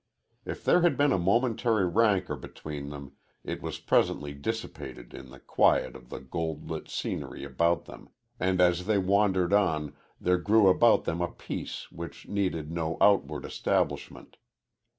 If there had been a momentary rancor between them it was presently dissipated in the quiet of the gold lit greenery about them, and as they wandered on there grew about them a peace which needed no outward establishment.